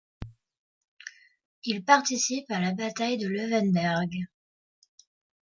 Il participe à la bataille de Loewenberg.